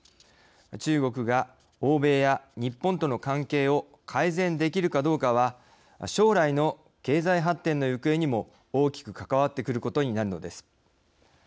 中国が欧米や日本との関係を改善できるかどうかは将来の経済発展の行方にも大きく関わってくることになるのです。